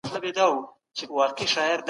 د حنفي فقهې په مسلک کي عدالت سته.